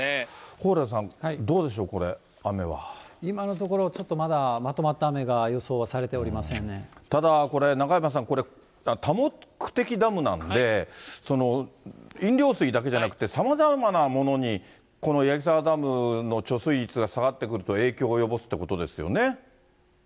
蓬莱さん、どうでしょう、これ、今のところ、ちょっとまだまとまった雨が、ただ、これ、中山さん、多目的ダムなんで、飲料水だけじゃなくて、さまざまなものに、この矢木沢ダムの貯水率が下がってくると、影響を及ぼすということですよね。